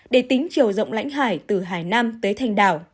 để tính chiều rộng lãnh hải từ hải nam tới thành đảo